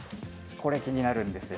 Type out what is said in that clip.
これ、気になるんですよ。